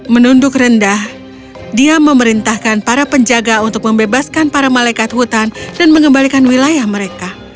menunduk rendah dia memerintahkan para penjaga untuk membebaskan para malaikat hutan dan mengembalikan wilayah mereka